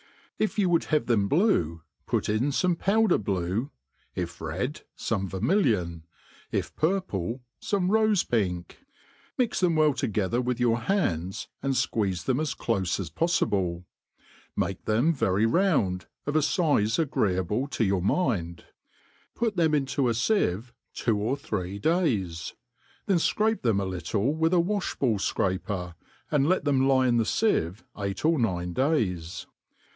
If you would have them blue, put in fome powder blue^ tf red, ixmn it^niiltoti ;. if purple^ fome rofe piftk \ mix them well together with your hands,' and fqueeze them as clofe as poflible \ make them very round, of a fize agreeable to your tnind $ put them into a fieve two or three days j then fcrape them a little with a waih^ball fcraper, and let them lie in the fieve eight or nine days.